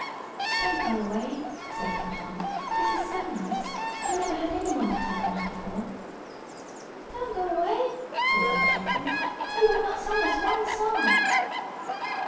"Don't go away," said little Tom. "This is so nice. I never had any one to cuddle me before." "Don't go away," said all the children; "you have not sung us one song."